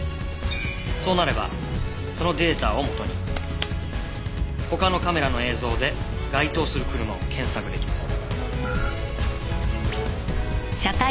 そうなればそのデータをもとに他のカメラの映像で該当する車を検索出来ます。